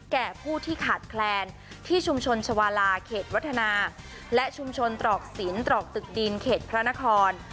แก่ผู้ที่ขาดแคลนที่ชุมชนชาวาลาเขตวัฒนาและชุมชนตรอกศิลปตรอกตึกดินเขตพระนคร